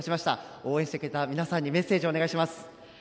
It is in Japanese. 応援してくれた皆さんにメッセージをお願いします。